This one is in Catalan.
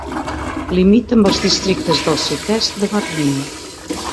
Limita amb els districtes del sud-est de Berlin.